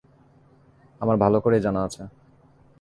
আমার ভালো করেই জানা আছে।